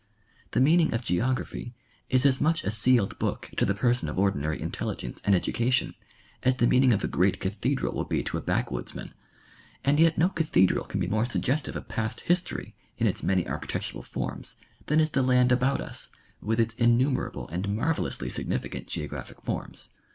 The mean ing of geography is as much a sealed book to the person of ordi nary intelligence and education as the meaning of a great cathe dral would be to a backwoodsman, and yet no cathedral can be more suggestive of past history in its many architectural forms than is the land about us, with its innumerable and marvelously significant geographic forms.